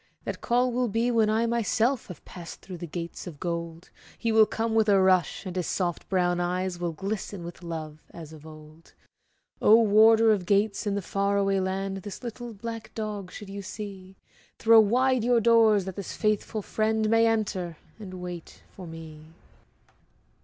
That call will be when I, myself, Have passed through the Gates of Gold; He will come with a rush, and his soft brown eyes Will glisten with love as of old. Oh, Warder of Gates, in the far away land, This little black dog should you see, Throw wide your doors that this faithful friend May enter, and wait for me.